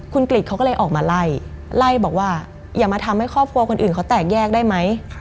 คุณกริจเขาก็เลยออกมาไล่ไล่บอกว่าอย่ามาทำให้ครอบครัวคนอื่นเขาแตกแยกได้ไหม